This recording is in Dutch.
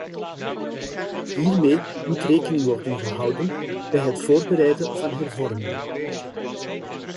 Hiermee moet rekening worden gehouden bij het voorbereiden van hervormingen.